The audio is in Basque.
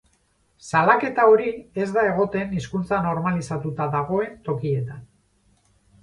Salaketa hori ez da egoten hizkuntza normalizatuta dagoen tokietan.